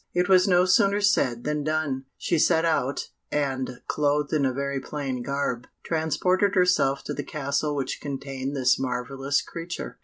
It was no sooner said than done. She set out, and, clothed in a very plain garb, transported herself to the castle which contained this marvellous creature.